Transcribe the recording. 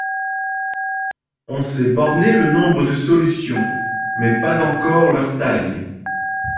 On sait borner le nombre de solutions, mais pas encore leur taille.